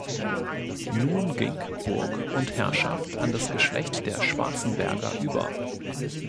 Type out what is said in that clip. Nun ging Burg und Herrschaft an das Geschlecht der Schwarzenberger über.